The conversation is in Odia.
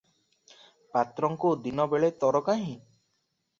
ପାତ୍ରଙ୍କୁ ଦିନବେଳେ ତର କାହିଁ?